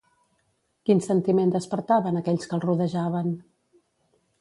Quin sentiment despertava en aquells que el rodejaven?